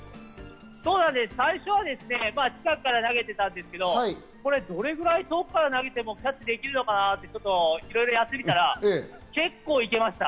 最初は近くから投げていたんですけど、どれぐらい遠くから投げてもキャッチできるのかとやってみたら、結構いけました。